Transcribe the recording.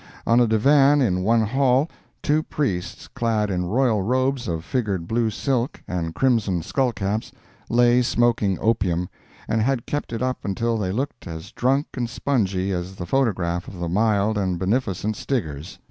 On a divan in one hall, two priests, clad in royal robes of figured blue silk, and crimson skull caps, lay smoking opium, and had kept it up until they looked as drunk and spongy as the photograph of the mild and beneficent Stiggers.